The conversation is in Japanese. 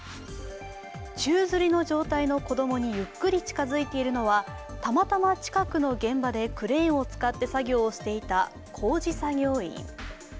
宙づり状態の子供にゆっくり近づいていっているのはたまたま、近くの現場でクレーンを使って作業をしていた工事作業員。